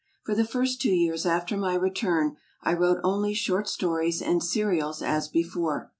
For the first two years after my return I wrote only shon stories and serials as before.